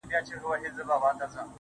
• ستا د خــولې خـبري يــې زده كړيدي.